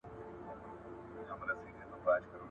په غم کي، د انا غم غيم.